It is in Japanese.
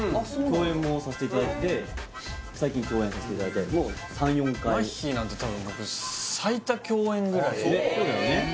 共演もさせていただいて最近共演させていただいてもう３４回まっひーなんて多分僕そうだよね